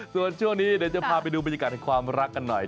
ส่วนช่วงนี้เดี๋ยวจะพาไปดูบรรยากาศแห่งความรักกันหน่อย